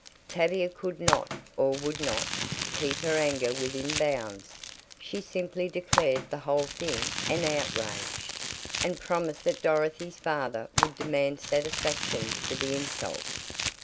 Tavia could not, or would not, keep her anger within bounds. She simply declared the whole thing an outrage, and promised that Dorothy's father would demand satisfaction for the insult.